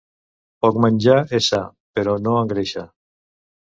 Poc menjar és sa, però no engreixa.